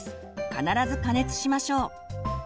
必ず加熱しましょう。